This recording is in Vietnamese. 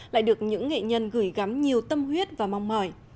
lại được những nghệ nhân gửi gắm nhiều tâm huyết và mong mỏi